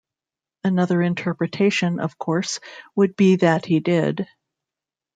Another interpretation, of course, would be that he did.